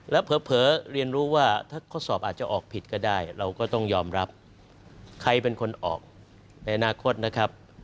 แล้วเผลอเรียนรู้ว่าถ้าข้อสอบอาจจะออกผิดก็ได้เราก็ต้องยอมรับใครเป็นคนออกในอนาคตนะครับ